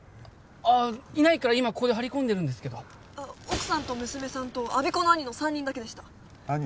ああいないから今ここで張り込んでるんですけど奥さんと娘さんと我孫子の兄の３人だけでした兄？